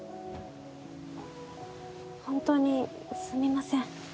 本当にすみません。